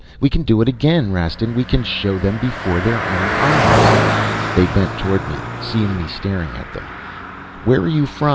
'We can do it again, Rastin; we can show them before their own eyes!' "They bent toward me, seeing me staring at them. "'Where are you from?'